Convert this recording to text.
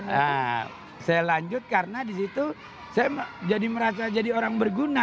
nah saya lanjut karena disitu saya jadi merasa jadi orang berguna